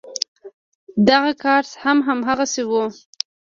دغه کارت هم هماغسې و.